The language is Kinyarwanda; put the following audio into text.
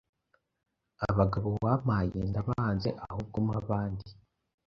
Abagabo wampaye ndabanze ahubwo mpa abandi.